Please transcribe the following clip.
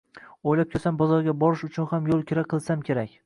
Oʻylab koʻrsam bozorga borish uchun ham yoʻl kira qilsam kerak